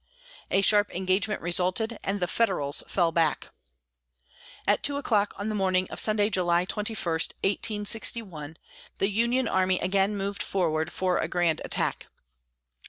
A sharp engagement resulted, and the Federals fell back. At two o'clock on the morning of Sunday, July 21, 1861, the Union Army again moved forward for a grand attack.